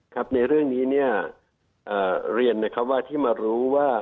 ครับในเรื่องนี้เรียนว่าที่มารู้ว่า